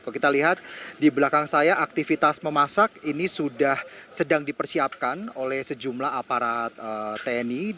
kalau kita lihat di belakang saya aktivitas memasak ini sudah sedang dipersiapkan oleh sejumlah aparat tni